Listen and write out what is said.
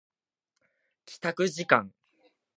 帰宅時間